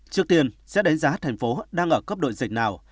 trước tiên sẽ đánh giá thành phố đang ở cấp độ dịch nào